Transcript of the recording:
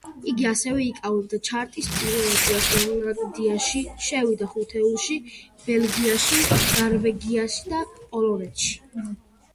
იგი ასევე იკავებდა ჩარტის პირველ ადგილს ირლანდიაში, შევიდა ხუთეულში ბელგიაში, ნორვეგიასა და პოლონეთში.